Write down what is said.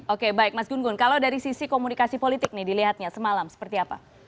oke baik mas gun gun kalau dari sisi komunikasi politik nih dilihatnya semalam seperti apa